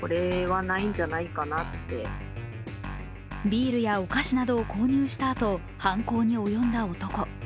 ビールやお菓子などを購入したあと、犯行に及んだ男。